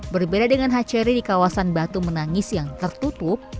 berbeda dengan hatchery di kawasan batu menangis yang tertutup